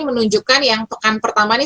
menunjukkan yang pekan pertama ini